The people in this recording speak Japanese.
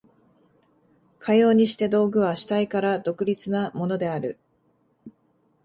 かようにして道具は主体から独立なものである。